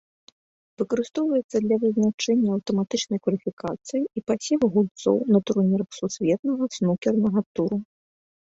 Выкарыстоўваецца для вызначэння аўтаматычнай кваліфікацыі і пасеву гульцоў на турнірах сусветнага снукернага туру.